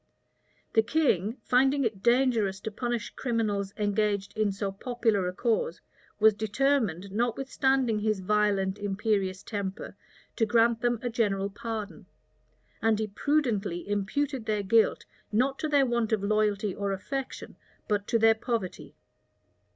The king, finding it dangerous to punish criminals engaged in so popular a cause, was determined, notwithstanding his violent, imperious temper, to grant them a general pardon; and he prudently imputed their guilt, not to their want of loyalty or affection, but to their poverty.